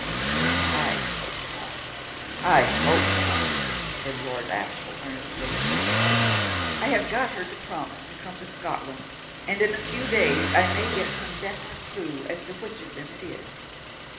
"I hope not, I hope not," said Lord Ashiel earnestly. "I have got her to promise to come to Scotland, and in a few days I may get some definite clue as to which of them it is.